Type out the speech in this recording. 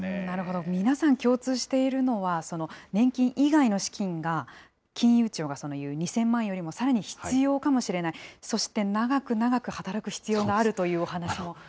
なるほど、皆さん共通しているのは、年金以外の資金が、金融庁が言う２０００万円よりもさらに必要かもしれない、そして、長く長く働く必要があるというお話も。